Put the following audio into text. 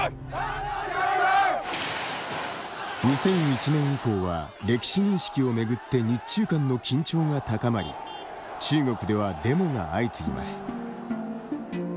２００１年以降は歴史認識を巡って日中間の緊張が高まり中国ではデモが相次ぎます。